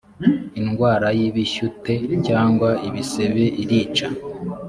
indwara y ibishyute cyangwa ibisebe irica